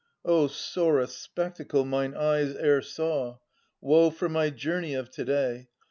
O sorest spectacle mine eyes e'er saw ! Woe for my journey of to day